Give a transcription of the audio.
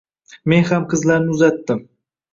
Men ham qizlarni uzatdim